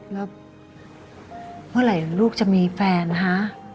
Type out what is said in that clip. แล้วเมื่อไหร่ลูกจะมีแฟนฮะ